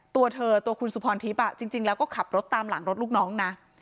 ตัวเธอตัวคุณสุพรทิพย์จริงแล้วก็ขับรถตามหลังรถลูกน้องนะ